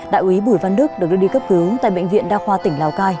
đại úy bùi văn đức được đưa đi cấp cứu tại bệnh viện đa khoa tỉnh lào cai